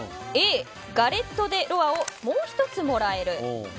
Ａ、ガレット・デ・ロワをもう１つもらえる。